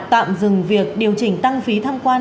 tạm dừng việc điều chỉnh tăng phí thăm quan